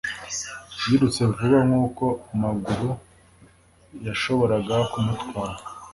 yirutse vuba nkuko amaguru yashoboraga kumutwara